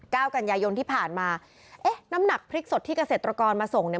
เก้ากันยายนที่ผ่านมาเอ๊ะน้ำหนักพริกสดที่เกษตรกรมาส่งเนี่ย